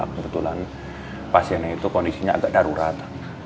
kebetulan pasiennya itu kondisinya agak darurat